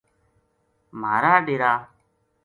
مھارا ڈیرا